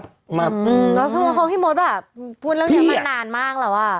คุมที่พี่โม๊ทแบบพูดเรื่องนี้มานานมากแล้ว